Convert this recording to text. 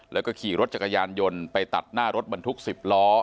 แล้วก็ขี่รถจักรยานยนต์ไปตัดหน้ารถบรรทุก๑๐ล้อ